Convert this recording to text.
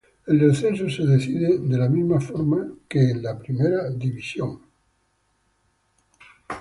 El descenso se decide de la misma forma que en la primera división.